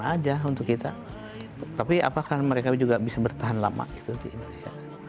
aja untuk kita tapi apakah mereka juga bisa bertahan lama itu di indonesia